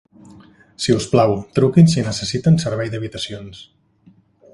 Si us plau truquin si necessiten servei d'habitacions.